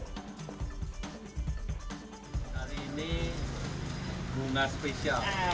hari ini bunga spesial